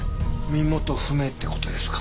身元不明って事ですか。